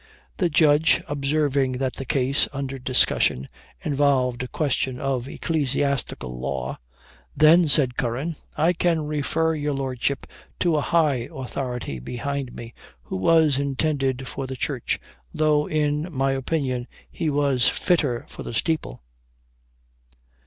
The Judge observing that the case under discussion involved a question of ecclesiastical law, "Then," said Curran, "I can refer your Lordship to a high authority behind me, who was intended for the church, though in my opinion he was fitter for the steeple."